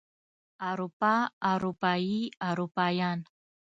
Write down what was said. اروپا اروپايي اروپايان